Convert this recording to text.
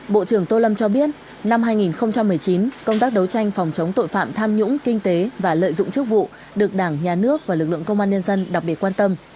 bộ trưởng tô lâm cho biết năm hai nghìn một mươi chín công tác đấu tranh phòng chống tội phạm tham nhũng kinh tế và lợi dụng chức vụ được đảng nhà nước và lực lượng công an nhân dân đặc biệt quan tâm